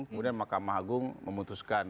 kemudian makam agung memutuskan